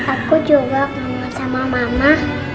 aku juga ngomong sama mama